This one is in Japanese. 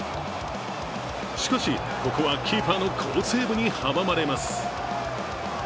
しかし、ここはキーパーの好セーブに阻まれます。